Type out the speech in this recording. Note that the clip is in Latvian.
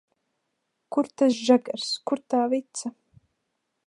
Kur tas žagars, kur tā vica?